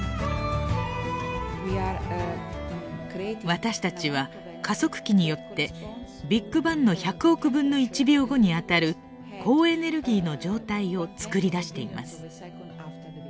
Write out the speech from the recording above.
私たちは加速器によってビッグバンの１００億分の１秒後にあたる高エネルギーの状態を作り出しています。